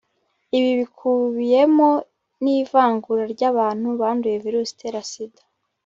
ibi bikubiyemo n'ivangura ry'abantu banduye virusi itera sida